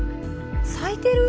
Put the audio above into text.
咲いてる？